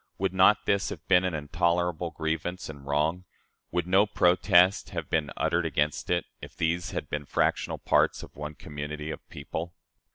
Would not this have been an intolerable grievance and wrong would no protest have been uttered against it if these had been fractional parts of one community of people?